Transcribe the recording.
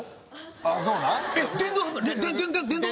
ああそうなん？